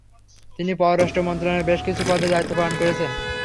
তিনি পররাষ্ট্র মন্ত্রণালয়ের বেশ কিছু পদে দায়িত্ব পালন করেছেন।